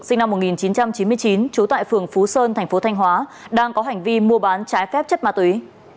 sinh năm một nghìn chín trăm chín mươi chín trú tại phường phú sơn thành phố thanh hóa đang có hành vi mua bán trái phép chất ma túy